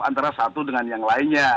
antara satu dengan yang lainnya